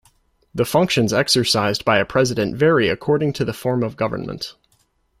The functions exercised by a president vary according to the form of government.